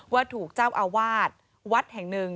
ว่าถูกเจ้าอาวาสวัดแห่งหนึ่ง